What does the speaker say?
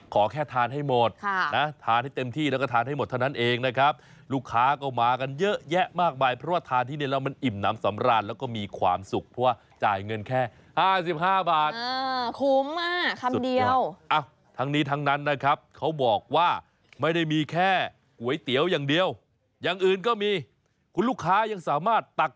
ขอแค่ทานให้หมดทานให้เต็มที่แล้วก็ทานให้หมดเท่านั้นเองนะครับลูกค้าก็มากันเยอะแยะมากมายเพราะว่าทานที่นี่แล้วมันอิ่มน้ำสำราญแล้วก็มีความสุขเพราะว่าจ่ายเงินแค่๕๕บาทคุ้มมากคำเดียวทั้งนี้ทั้งนั้นนะครับเขาบอกว่าไม่ได้มีแค่ก๋วยเตี๋ยวอย่างเดียวอย่างอื่นก็มีคุณลูกค้ายังสามารถตัก